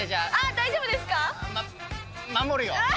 大丈夫ですか？